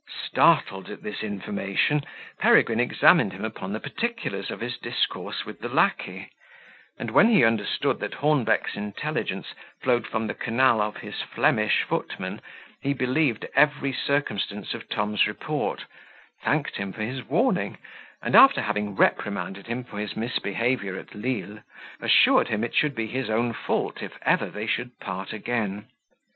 Startled at this information, Peregrine examined him upon the particulars of his discourse with the lacquey; and when he understood that Hornbeck's intelligence flowed from the canal of his Flemish footman, he believed every circumstance of Tom's report, thanked him for his warning, and, after having reprimanded him for his misbehaviour at Lisle, assured him that it should be his own fault if ever they should part again.